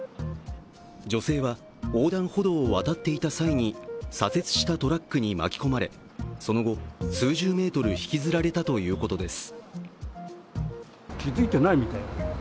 女性は横断歩道を渡っていた際に左折したトラックに巻き込まれ、その後、数十メートル引きずられたということです。